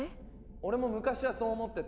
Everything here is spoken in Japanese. ・俺も昔はそう思ってた。